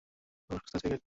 ও সুস্থই আছে, ক্যাট।